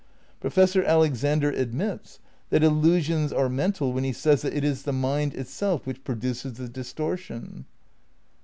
Professor Alexander admits that illusions are mental when he says that "it is the mind itself which produces the distortion."